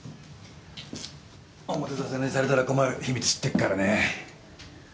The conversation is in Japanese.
表沙汰にされたら困る秘密知ってっからね。